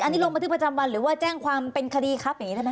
อันนี้ลงบันทึกประจำวันหรือว่าแจ้งความเป็นคดีครับ